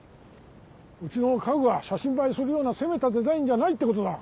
うちの家具は写真映えするような攻めたデザインじゃないってことだ。